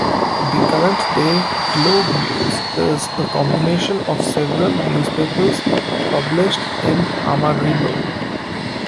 The current-day "Globe-News" is a combination of several newspapers published in Amarillo.